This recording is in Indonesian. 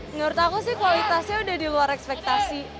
menurut aku sih kualitasnya udah di luar ekspektasi